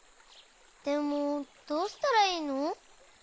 でもどうしたらいいの？